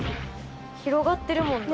広がってるもんな。